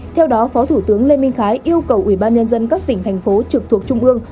theo đó phó thủ tướng lê minh khái yêu cầu ủy ban nhân dân các tỉnh thành phố trực thuộc trung ương